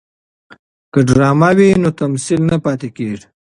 که ډرامه وي نو تمثیل نه پاتې کیږي.